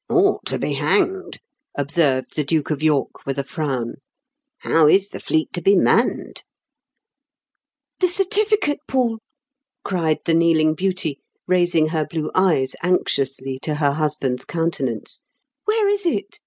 " Ought to be hanged," observed the Duke of York, with a frown. " How is the fleet to be manned ?"" The certificate, Paul 1 " cried the kneeling u 2 292 IN KENT WITH CEABLE8 DICKENS. beauty, raising her blue eyes anxiously to ber husband's countenance, " where is it